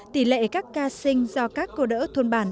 tỷ lệ các ca sinh do các cô đỡ thôn bản